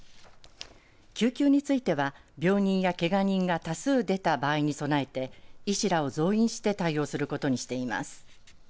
救急については病人や、けが人が多数出た場合に備えて医師らを増員して対応することにしています。